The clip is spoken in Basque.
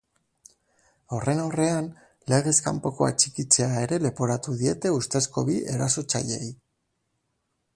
Horren aurrean, legez kanpoko atxikitzea ere leporatu diete ustezko bi erasotzaileei.